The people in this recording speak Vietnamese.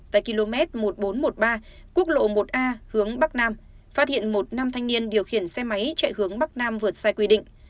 tại km một nghìn bốn trăm một mươi ba quốc lộ một a hướng bắc nam phát hiện một nam thanh niên điều khiển xe máy chạy hướng bắc nam vượt sai quy định